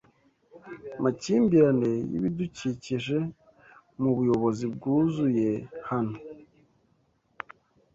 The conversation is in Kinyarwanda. makimbirane yibidukikije mubuyobozi bwuzuye hano